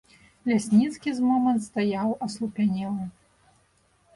Лясніцкі з момант стаяў аслупянелы.